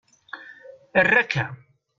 Err akka.